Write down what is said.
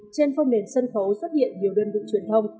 trên phong nền sân khấu xuất hiện nhiều đơn vị truyền thông